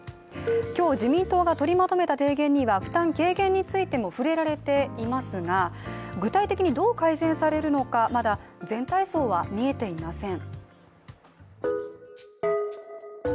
今日、自民党が取りまとめた提言には負担軽減についても触れられていますが具体的にどう改善されるのかまだ全体像は見えていません。